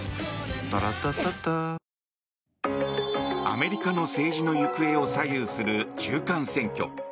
アメリカの政治の行方を左右する中間選挙。